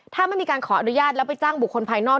ถ้าไม่มีการขออนุญาตแล้วไปจ้างบุคคลภายนอก